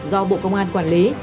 do bộ công an quản lý